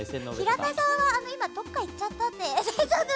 平田さんはどこか行っちゃったって。